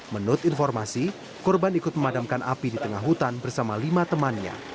menurut informasi korban ikut memadamkan api di tengah hutan bersama lima temannya